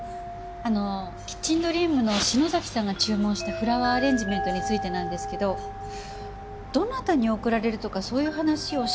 あのキッチンドリームの篠崎さんが注文したフラワーアレンジメントについてなんですけどどなたに贈られるとかそういう話おっしゃってませんでした？